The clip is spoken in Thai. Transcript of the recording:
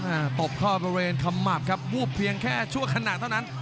อ่าตบข้อเรียนขับหมับครับวูบเพียงแค่ชั่วขนาดเท่านั้น